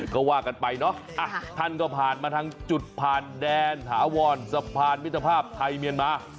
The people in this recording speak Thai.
ก็ว่ากันไปเนาะท่านก็ผ่านมาทางจุดผ่านแดนถาวรสะพานมิตรภาพไทยเมียนมา